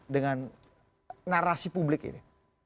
dengan narasi publik ini